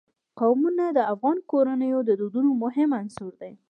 قومونه د افغان کورنیو د دودونو مهم عنصر دی.